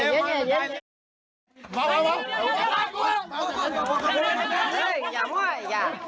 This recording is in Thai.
เย็นเย็นใส่